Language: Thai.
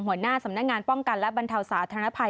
หัวหน้าสำนักงานป้องกันและบรรเทาสาธารณภัย